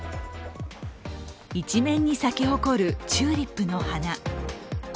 一面に咲き誇るチューリップの花。